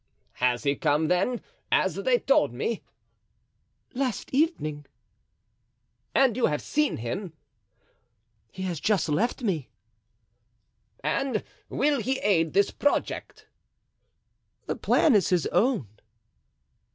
"He has come, then, as they told me?" "Last evening." "And you have seen him?" "He has just left me." "And will he aid this project?" "The plan is his own."